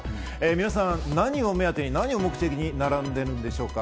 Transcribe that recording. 皆さん、何を目当てに何を目的に並んでいるんでしょうか？